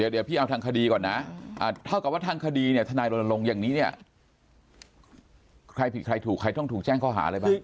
เดี๋ยวพี่เอาทางคดีก่อนนะเท่ากับว่าทางคดีเนี่ยทนายรณรงค์อย่างนี้เนี่ยใครผิดใครถูกใครต้องถูกแจ้งข้อหาอะไรบ้าง